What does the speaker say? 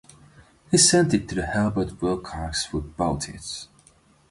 He sent it to Herbert Wilcox would bought it.